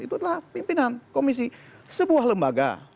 itu adalah pimpinan komisi sebuah lembaga